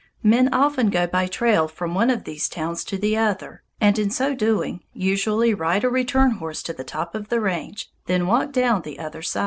Men often go by trail from one of these towns to the other, and in so doing usually ride a return horse to the top of the range, then walk down the other side.